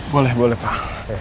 boleh boleh pak